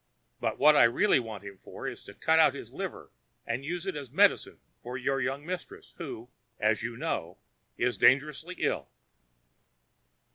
But what I really want him for is to cut out his liver, and use it as medicine for your young mistress, who, as you know, is dangerously ill."